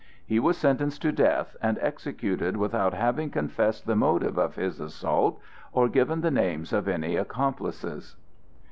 He was sentenced to death and executed without having confessed the motive of his assault or given the names of any accomplices.